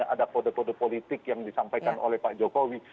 ada kode kode politik yang disampaikan oleh pak jokowi